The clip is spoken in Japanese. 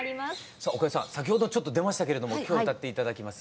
さあおかゆさん先ほどちょっと出ましたけれども今日歌って頂きます